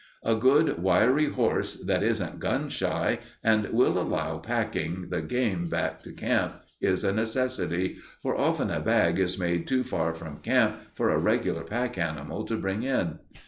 A good wiry horse that isn't gun shy and will allow packing the game back to camp is a necessity, for often a bag is made too far from camp for a regular pack animal to bring in.